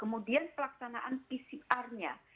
kemudian pelaksanaan pcr nya